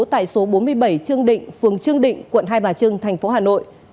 tại số bốn mươi bảy trương định phường trương định tp hà nội